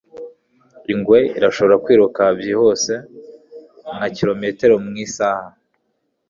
Ingwe irashobora kwiruka byihuse nka kilometero mu isaha.